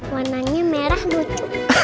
warnanya merah lucu